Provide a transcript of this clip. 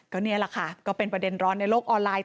ก็นี่แหละค่ะก็เป็นประเด็นร้อนในโลกออนไลน์